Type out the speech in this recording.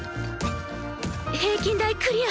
平均台クリア。